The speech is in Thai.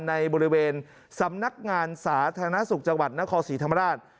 ในบริเวณสำนักงานสาธารณสุขจังหวัดนครศรีธรรมราช